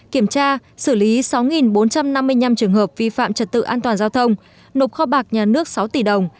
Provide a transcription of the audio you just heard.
kiểm tra xử lý sáu bốn trăm năm mươi năm trường hợp vi phạm trật tự an toàn giao thông nộp kho bạc nhà nước sáu tỷ đồng